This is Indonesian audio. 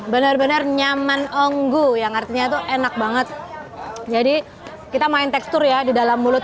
benar benar nyaman onggu yang artinya tuh enak banget jadi kita main tekstur ya di dalam mulut